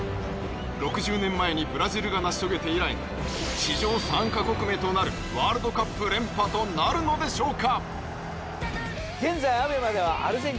６０年前にブラジルが成し遂げて以来の史上３カ国目となるワールドカップ連覇となるのでしょうか？